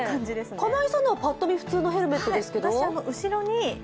金井さんのはパッと見、普通のヘルメットですけど？